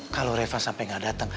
kalo reva sampai gak dateng